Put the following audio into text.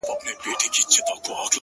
او په خمارو ماښامونو کي به ځان ووينم-